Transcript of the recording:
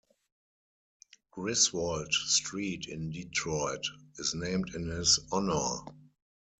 Griswold Street in Detroit is named in his honor.